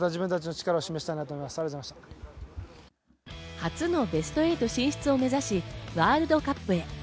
初のベスト８進出を目指し、ワールドカップへ。